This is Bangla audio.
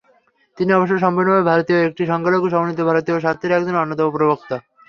তিনি অবশ্য সম্পূর্ণভাবে ভারতীয় এবং সংখ্যালঘু সমন্বিত ভারতীয় স্বার্থের একজন অন্যতম প্রবক্তা।